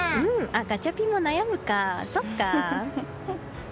ガチャピンも悩むか、そっか。